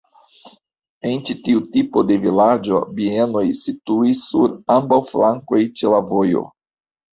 En ĉi tiu tipo de vilaĝo bienoj situis sur ambaŭ flankoj ĉe la vojo.